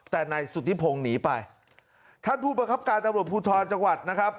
แต่นายสุธิพงศ์หนีไปท่านผู้ประคับการตำรวจภูทรจังหวัดนะครับ